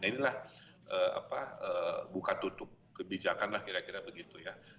nah inilah buka tutup kebijakan lah kira kira begitu ya